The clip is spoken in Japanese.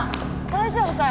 大丈夫か？